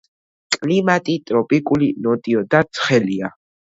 კლიმატი ტროპიკული, ნოტიო და ცხელია.